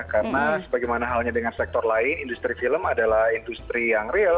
karena sebagaimana halnya dengan sektor lain industri film adalah industri yang real